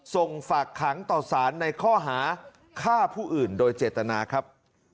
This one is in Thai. ส่งฝากขังต่อสารในข้อหาฆ่าผู้อื่นโดยเจตนาครับ